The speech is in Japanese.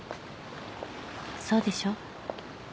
「そうでしょ？」